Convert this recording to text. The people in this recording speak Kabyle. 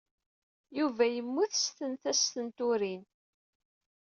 Yuba yemmut s tentast n turin.